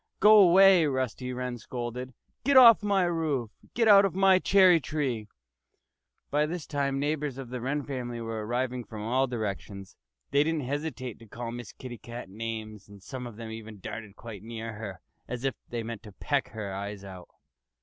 "Go away!" Rusty Wren scolded. "Get off my roof! Get out of my cherry tree!" By this time feathered neighbors of the Wren family were arriving from all directions. They didn't hesitate to call Miss Kitty Cat names. And some of them even darted quite near her, as if they meant to peck her eyes out.